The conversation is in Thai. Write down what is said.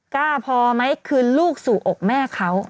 กล้าพอไหมคืนลูกสู่อกแม่เขา